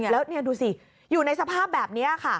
แล้วนี่ดูสิอยู่ในสภาพแบบนี้ค่ะ